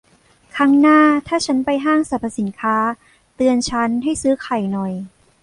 ครั้งหน้าถ้าฉันไปห้างสรรพสินค้า เตือนฉันให้ซื้อไข่หน่อย